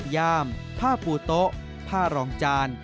ย่ามผ้าปูโต๊ะผ้ารองจาน